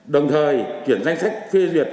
đồng thời chuyển danh sách phê duyệt